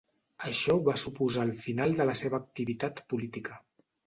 Això va suposar el final de la seva activitat política.